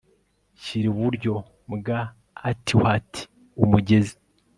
Shyira iburyo bwa athwart umugezi